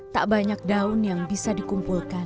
tak banyak daun yang bisa dikumpulkan